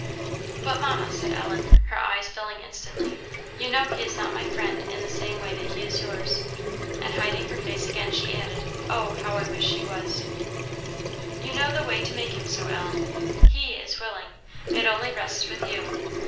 " "But, Mamma," said Ellen, her eyes filling instantly, "you know he is not my friend in the same way that he is yours." And, hiding her face again, she added, "Oh, I wish he was!" "You know the way to make him so, Ellen. He is willing; it only rests with you.